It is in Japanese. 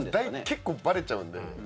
結構、バレちゃうので。